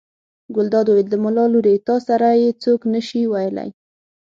ګلداد وویل: د ملا لورې تا سره یې څوک نه شي ویلی.